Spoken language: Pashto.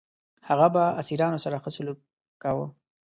هغه به اسیرانو سره ښه سلوک کاوه.